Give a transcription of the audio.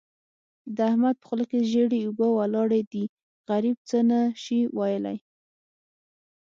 د احمد په خوله کې ژېړې اوبه ولاړې دي؛ غريب څه نه شي ويلای.